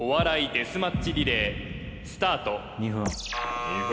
デスマッチリレースタート